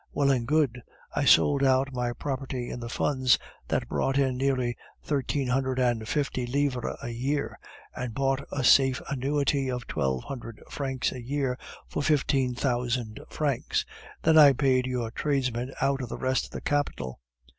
Well and good. I sold out my property in the funds that brought in thirteen hundred and fifty livres a year, and bought a safe annuity of twelve hundred francs a year for fifteen thousand francs. Then I paid your tradesmen out of the rest of the capital.